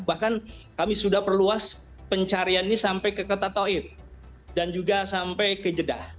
bahkan kami sudah perluas pencarian ini sampai ke kota taib dan juga sampai ke jeddah